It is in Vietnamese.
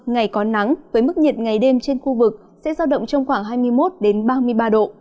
ngày có nắng với mức nhiệt ngày đêm trên khu vực sẽ giao động trong khoảng hai mươi một ba mươi ba độ